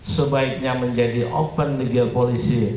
sebaiknya menjadi open legal policy